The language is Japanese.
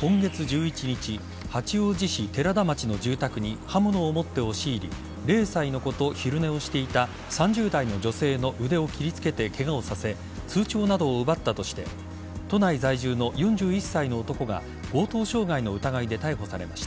今月１１日八王子市寺田町の住宅に刃物を持って押し入り０歳の子と昼寝をしていた３０代の女性の腕を切りつけてケガをさせ通帳などを奪ったとして都内在住の４１歳の男が強盗傷害の疑いで逮捕されました。